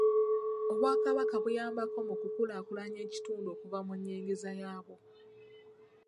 Obwakabaka buyambako mu kukulaakulanya ekitundu okuva mu nnyingiza yaabwo.